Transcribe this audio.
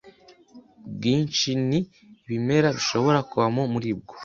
bwinshinIbimera bishobora kubamo muribwo